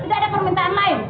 tidak ada permintaan lain